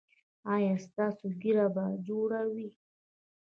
ایا ستاسو ږیره به جوړه وي؟